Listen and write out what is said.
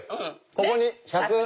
ここに「１００」。